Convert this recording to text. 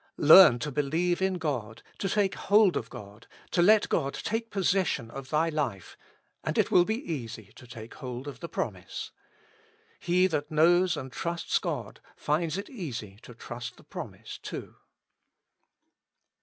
Learn to believe in God, to take hold of God, to let God take possession of thy life, and it will be easy to take hold of the promise. He that knows and trusts God finds it easy to trust the promise, too.